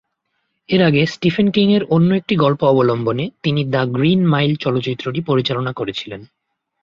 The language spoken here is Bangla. এর আগে স্টিফেন কিংয়ের অন্য একটি গল্প অবলম্বনে তিনি দ্য গ্রিন মাইল চলচ্চিত্রটি পরিচালনা করেছিলেন।